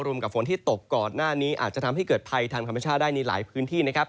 กับฝนที่ตกก่อนหน้านี้อาจจะทำให้เกิดภัยทางธรรมชาติได้ในหลายพื้นที่นะครับ